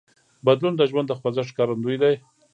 بدلون د ژوند د خوځښت ښکارندوی دی.